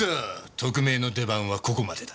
特命の出番はここまでだ。